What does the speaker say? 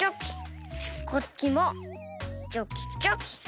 こっちもチョキチョキ。